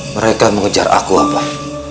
mereka mengejar aku abah